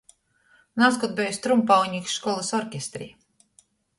Nazkod beju strumpaunīks školys orkestrī.